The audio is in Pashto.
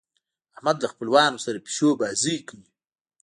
احمد له خپلوانو سره پيشو بازۍ کوي.